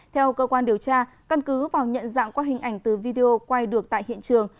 theo cơ quan điều tra căn cứ vào nhận dạng qua hình ảnh từ video quay được tại hiện trường